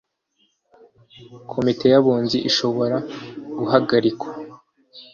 Komite y Abunzi ishobora guhagarika